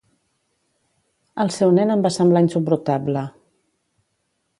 El seu nen em va semblar insuportable.